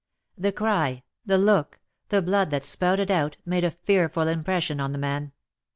The cry, the look, the blood that spouted out, made a fearful impression on the man.